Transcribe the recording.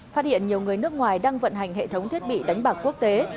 phát hiện nhiều người nước ngoài đang vận hành hệ thống thiết bị đánh bạc quốc tế